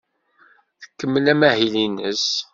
Tkemmel amahil-nnes.